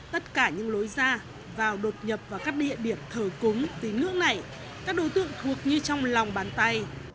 tất cả những lối ra vào đột nhập vào các địa điểm thờ cúng tín ngưỡng này các đối tượng thuộc như trong lòng bàn tay